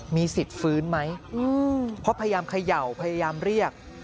มีสิทธิ์ฟื้นไหมเพราะพยายามเขย่าพยายามเรียก